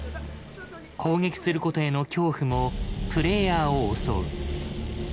攻撃することへの恐怖もプレイヤーを襲う。